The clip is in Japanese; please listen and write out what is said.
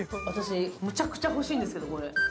私、これむちゃくちゃ欲しいんですけど。